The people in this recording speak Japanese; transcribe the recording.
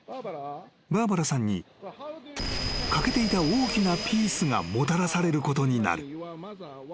バーバラさんに欠けていた大きなピースがもたらされることになる］